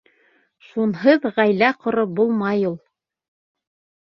Шунһыҙ ғаилә ҡороп булмай ул!